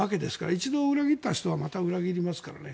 一度裏切った人はまた裏切りますからね。